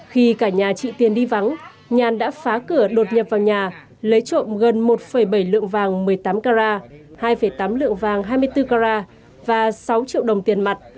khi cả nhà chị tiền đi vắng nhàn đã phá cửa đột nhập vào nhà lấy trộm gần một bảy lượng vàng một mươi tám carat hai tám lượng vàng hai mươi bốn carat và sáu triệu đồng tiền mặt